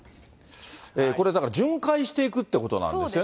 これ、だから巡回していくっていうことなんですよね。